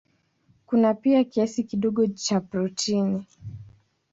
Kuna pia kiasi kidogo cha protini.